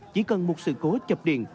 chỉ cần một sự cố chập điện